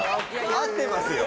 合ってますよ。